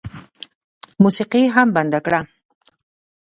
موسيقي یې هم بنده کړه.